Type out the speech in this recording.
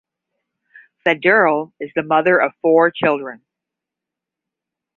Federle is the mother of four children.